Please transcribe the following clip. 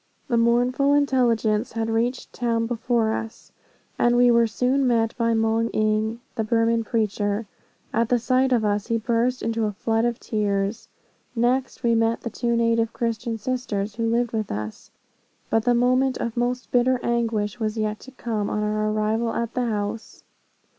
The mournful intelligence had reached town before us, and we were soon met by Moung Ing, the Burman preacher. At the sight of us he burst into a flood of tears. Next, we met the two native Christian sisters, who lived with us. But the moment of most bitter anguish was yet to come on our arrival at the house.